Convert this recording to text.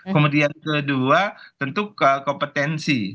kemudian kedua tentu kompetensi